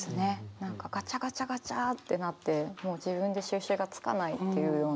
何かがちゃがちゃがちゃってなってもう自分で収拾がつかないっていうような。